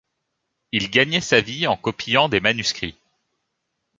Il gagnait sa vie en copiant des manuscrits.